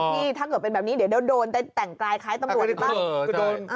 นี่ถ้าเกิดเป็นแบบนี้เดี๋ยวเดี๋ยวโดนแต่งกายคล้ายตำรวจหรือเปล่า